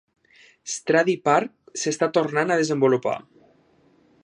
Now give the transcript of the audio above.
Stradey Park s'està tornant a desenvolupar.